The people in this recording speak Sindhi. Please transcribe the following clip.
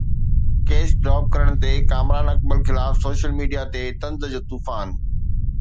ڪيچ ڊراپ ڪرڻ تي ڪامران اڪمل خلاف سوشل ميڊيا تي طنز جو طوفان